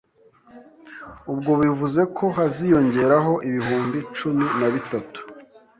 ubwo bivuze ko haziyongeraho ibihumbi cumi na bitatu